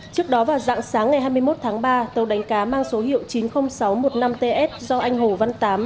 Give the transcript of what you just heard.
trước đó vào dạng sáng ngày hai mươi một tháng ba tàu đánh cá mang số hiệu chín mươi nghìn sáu trăm một mươi năm ts do anh hồ văn tám